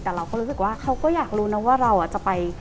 แต่เราก็รู้สึกว่าเขาก็อยากรู้นะว่าเราจะไป